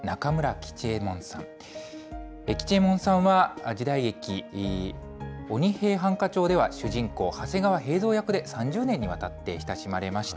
吉右衛門さんは時代劇、鬼平犯科帳では主人公、長谷川平蔵役で３０年にわたって親しまれました。